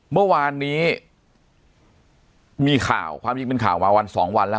เมื่อวานนี้มีข่าวความจริงเป็นข่าวมาวันสองวันแล้ว